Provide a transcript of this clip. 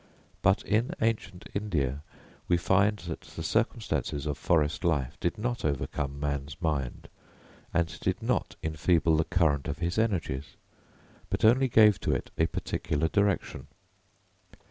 But in ancient India we find that the circumstances of forest life did not overcome man's mind, and did not enfeeble the current of his energies, but only gave to it a particular direction.